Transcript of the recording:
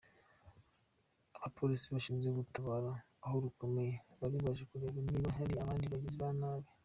Abapolisi bashinzwe gutabara aho rukomeye bari baje kureba niba hari abandi bagizi ba nabi.